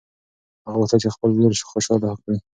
هغه غوښتل چې خپله لور خوشحاله کړي.